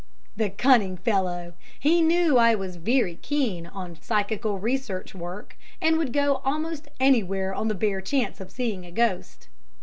The cunning fellow! He knew I was very keen on Psychical Research work, and would go almost anywhere on the bare chance of seeing a ghost.